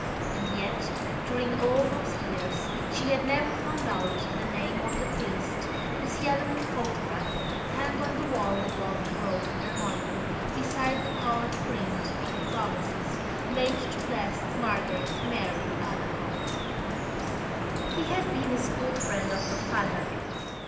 And yet during all those years she had never found out the name of the priest whose yellowing photograph hung on the wall above the broken harmonium beside the coloured print of the promises made to Blessed Margaret Mary Alacoque. He had been a school friend of her father.